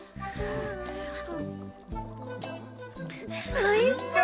おいしい！